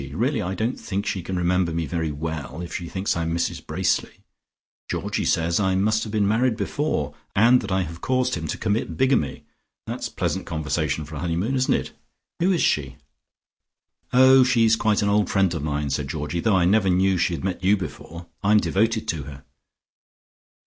Really I don't think she can remember me very well, if she thinks I am Mrs Bracely. Georgie says I must have been married before, and that I have caused him to commit bigamy. That's pleasant conversation for a honeymoon, isn't it? Who is she?" "Oh, she's quite an old friend of mine," said Georgie, "though I never knew she had met you before; I'm devoted to her."